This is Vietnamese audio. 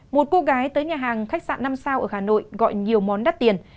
một cô gái tới nhà hàng khách sạn năm sao ở hà nội gọi nhiều món đắt tiền